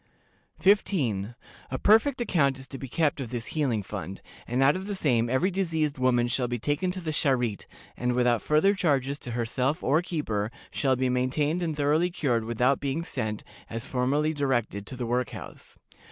"15. A perfect account is to be kept of this healing fund, and out of the same every diseased woman shall be taken to the Charité, and, without farther charges to herself or keeper, shall be maintained and thoroughly cured without being sent, as formerly directed, to the work house.